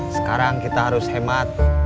sekarang kita harus hemat